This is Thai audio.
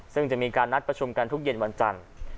ซึ่งจะมีการนัดประชุมกันทุกเย็นวันจันทร์